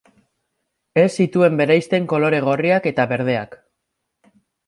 Ez zituen bereizten kolore gorriak eta berdeak.